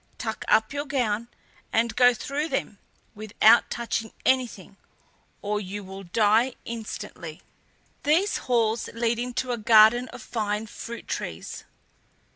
Tuck up your gown and go through them without touching anything, or you will die instantly. These halls lead into a garden of fine fruit trees.